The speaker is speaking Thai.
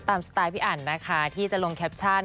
สไตล์พี่อันนะคะที่จะลงแคปชั่น